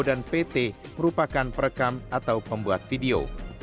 dan pt merupakan perekam atau pembuat video